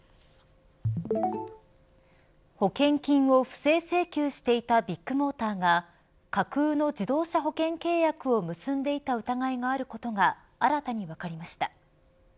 保険金を不正請求していたビッグモーターが架空の自動車保険契約を結んでいた疑いがあることが新たに分かりました。